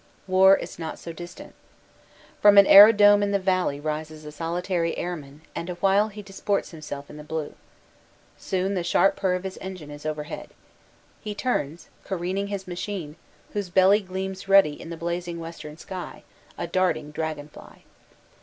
War is not so dis tant. From an aerodrome in the valley rises a solitary airman and awhile he disports himself in the blue. Soon the sharp WAYSIDE SCENES 119 purr of his engine is overhead. He turns, careening his machine, whose belly gleams ruddy in the blazing western sky, a darting dragon fly.